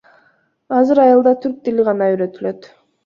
Азыр айылда түрк тили гана үйрөтүлөт.